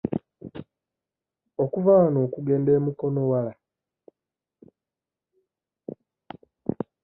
Okuva wano okugenda e Mukono wala?